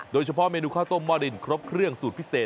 โดยเฉพาะเมนูข้าวต้มหม้อดินครบเครื่องสูตรพิเศษ